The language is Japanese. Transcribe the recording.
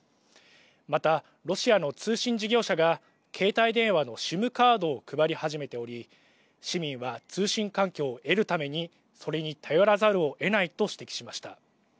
また、ロシアの通信事業者が携帯電話のＳＩＭカードを配り始めており市民は、通信環境を得るためにそれに頼らざるをえないと指摘しました。